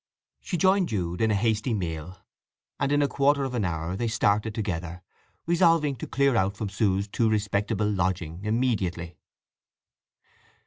She joined Jude in a hasty meal, and in a quarter of an hour they started together, resolving to clear out from Sue's too respectable lodging immediately.